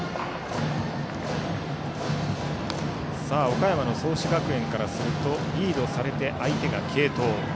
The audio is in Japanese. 岡山の創志学園からするとリードされて相手が継投。